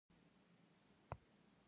په پښتو کښي لنډۍ له هایکو سره تشبیه کېږي.